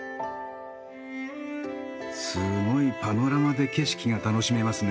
すごいパノラマで景色が楽しめますね。